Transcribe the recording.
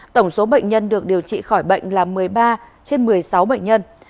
tôi thật sự thất vọng với bản thân